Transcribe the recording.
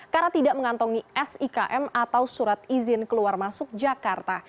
karena tidak mengantongi sikm atau surat izin keluar masuk jakarta